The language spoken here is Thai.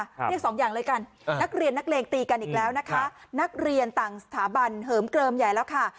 เรียกสองอย่างเลยกันนักเรียนนักเลงตีกันอีกแล้วนะคะนักเรียนต่างสถาบันเหิมเกลิมใหญ่แล้วค่ะ